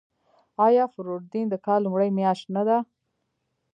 آیا فروردین د کال لومړۍ میاشت نه ده؟